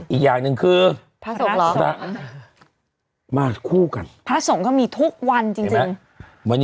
อีกอย่างหนึ่งคือ